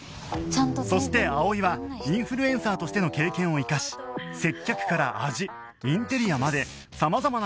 そして葵はインフルエンサーとしての経験を生かし接客から味インテリアまで様々な事に駄目出しをする